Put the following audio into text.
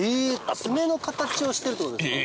爪の形をしてるってことですか。